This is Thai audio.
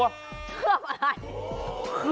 เคลือบอะไร